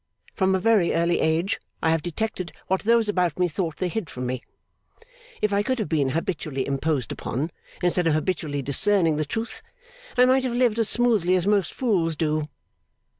From a very early age I have detected what those about me thought they hid from me. If I could have been habitually imposed upon, instead of habitually discerning the truth, I might have lived as smoothly as most fools do.